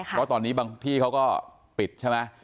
เพราะตอนนี้บางที่เขาก็ปิดใช่ไหม